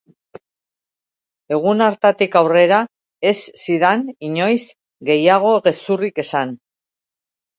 Egun hartatik aurrera, ez zidan inoiz gehiago gezurrik esan.